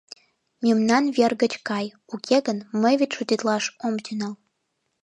— Мемнан вер гыч кай, уке гын, мый вет шутитлаш ом тӱҥал...